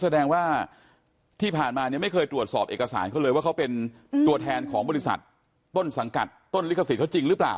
แสดงว่าที่ผ่านมาเนี่ยไม่เคยตรวจสอบเอกสารเขาเลยว่าเขาเป็นตัวแทนของบริษัทต้นสังกัดต้นลิขสิทธิ์จริงหรือเปล่า